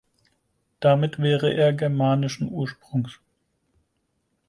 Damit wäre er germanischen Ursprungs.